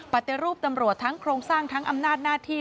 ปฏิรูปตำรวจทั้งโครงสร้างทั้งอำนาจหน้าที่